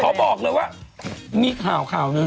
ขอบอกเลยว่า